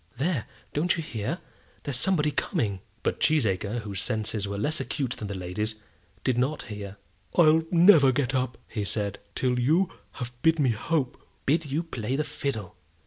There; don't you hear? There's somebody coming." But Cheesacre, whose senses were less acute than the lady's, did not hear. "I'll never get up," said he, "till you have bid me hope." "Bid you play the fiddle.